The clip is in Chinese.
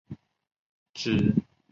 只写存储器相反的一种存储器。